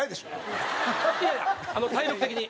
いやいや体力的に。